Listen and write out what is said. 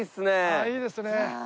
ああいいですね。